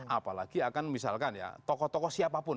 apalagi akan misalkan ya tokoh tokoh siapapun